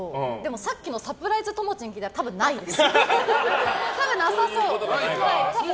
さっきのサプライズともちんを聞いたら多分、ないです。